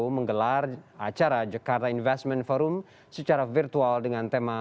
menggelar acara jakarta investment forum secara virtual dengan tema